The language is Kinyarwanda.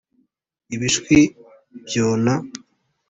Ibishwi byona